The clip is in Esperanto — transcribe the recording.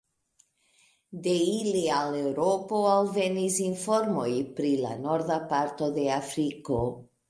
De ili al Eŭropo alvenis informoj pri la norda parto de Afriko.